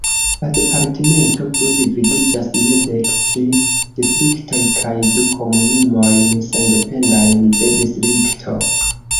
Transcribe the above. La departemento plu dividiĝas je dek tri distriktoj kaj du komunumojn sendependajn de distrikto.